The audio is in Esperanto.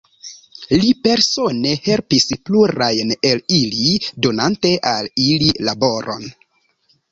Li persone helpis plurajn el ili, donante al ili laboron.